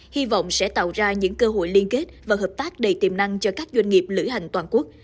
hy vọng sẽ tạo ra những cơ hội liên kết và hợp tác đầy tiềm năng cho các doanh nghiệp lữ hành toàn quốc